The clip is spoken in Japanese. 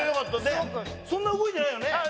そんな動いてないよね。